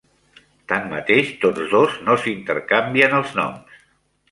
Tanmateix, tots dos no s'intercanvien els noms.